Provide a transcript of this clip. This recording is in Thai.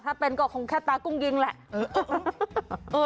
ถ้าเป็นก็คงแค่ตากุ้งยิงแหละเออเออเออ